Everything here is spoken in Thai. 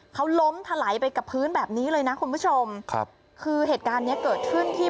เขาล้มถลายไปกับพื้นแบบนี้เลยนะคุณผู้ชมครับคือเหตุการณ์เนี้ยเกิดขึ้นที่